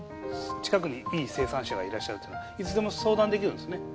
近くにいい生産者がいらっしゃるといつでも相談できるんですね。